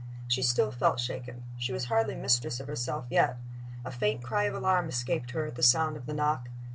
She still felt shaken. She was hardly mistress of herself yet. A faint cry of alarm escaped her at the sound of the knock.